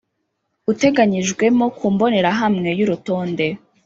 uteganyijwemo ku mbonerahamwe y’urutonde